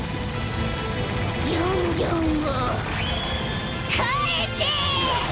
ギョンギョンをかえせ！